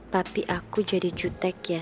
tapi aku jadi jutek ya